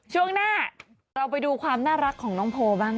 ช่วงหน้าเราไปดูความน่ารักของน้องโพบ้าง